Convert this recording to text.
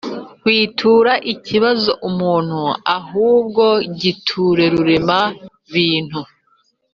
witura ikibazo umuntu ahubwo giture rurema bintu